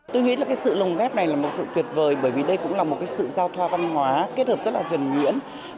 tôi nghĩ là sự lồng ghép này là một sự tuyệt vời bởi vì đây cũng là một sự giao thoa văn hóa kết hợp rất là dần nhuyễn